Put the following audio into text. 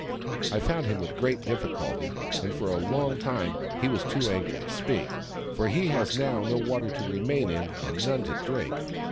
I found him with great difficulty, and for a long time he was too angry to speak, for he has now no water to remain in, and none to drink.